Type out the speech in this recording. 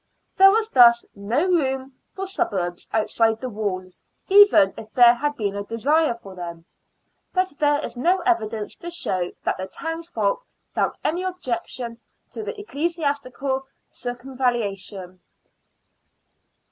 There was thus no room for suburbs outside the walls, even if there had been a desire for them ; but there is no evidence to show that the townsfolk felt any objection to the ecclesiastical circumvallation.